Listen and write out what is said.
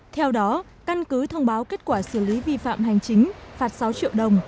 theo đó căn cứ thông báo kết quả xử lý vi phạm hành chính phạt sáu triệu đồng